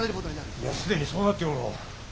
いや既にそうなっておろう。